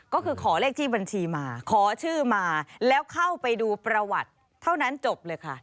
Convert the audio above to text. ก็คือขอเลขที่บัญชีมาขอชื่อมาแล้วเข้าไปดูประวัติเท่านั้นจบเลยค่ะ